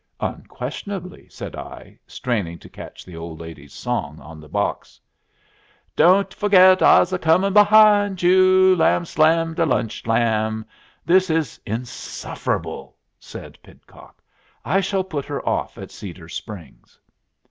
"Unquestionably," said I, straining to catch the old lady's song on the box: "'Don't you fo'git I's a comin' behind you Lam slam de lunch ham.'" "This is insufferable," said Pidcock. "I shall put her off at Cedar Springs."